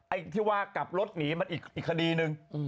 ไอ้ที่ว่ากลับรถหนีมันอีกคดีนึง